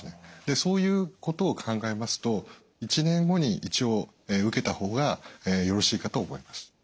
そういうことを考えますと１年後に一応受けた方がよろしいかと思います。